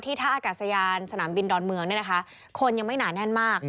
ท่าอากาศยานสนามบินดอนเมืองเนี่ยนะคะคนยังไม่หนาแน่นมาก